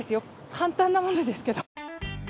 簡単なものですけど。